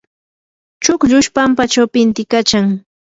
chukllush pampachaw pintiykachan.